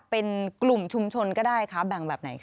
เป็นกลุ่มชุมชนก็ได้คะแบ่งแบบไหนคะ